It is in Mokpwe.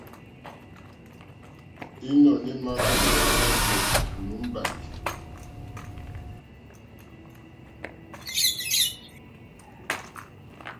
Ínɔ̀ní ímà kòówá nátɛ̀ɛ̀ nǒ mbàkì.